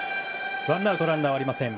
ワンアウトランナーはありません。